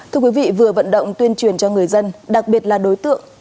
thưa quý vị vừa vận động tuyên truyền cho người dân đặc biệt là đối tượng